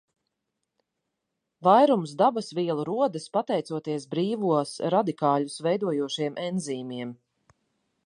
Vairums dabasvielu rodas, pateicoties brīvos radikāļus veidojošiem enzīmiem.